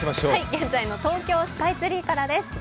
現在の東京スカイツリーからです。